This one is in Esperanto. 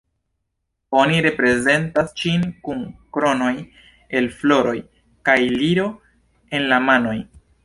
Oni reprezentas ŝin kun kronoj el floroj kaj liro en la manoj.